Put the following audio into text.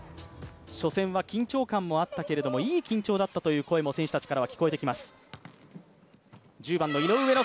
初戦は緊張感もあったけれどもいい緊張だったという話も選手たちからは聞こえてきます。